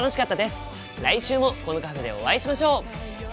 来週もこのカフェでお会いしましょう！